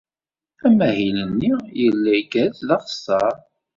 Amahil-nni yella igerrez d axeṣṣar.